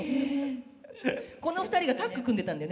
この２人がタッグ組んでたんだよね